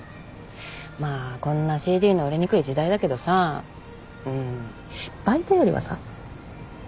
まあこんなＣＤの売れにくい時代だけどさうんバイトよりはさ。